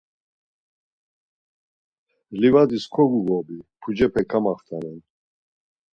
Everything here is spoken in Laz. Livadis koguğobi, pucepe kamaxtanen.